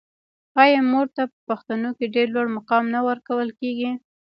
آیا مور ته په پښتنو کې ډیر لوړ مقام نه ورکول کیږي؟